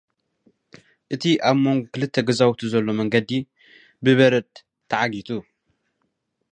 እቲ ኣብ መንጎ ክልተ ገዛውቲ ዘሎ መገዲ ብበረድ ተዓጊቱ።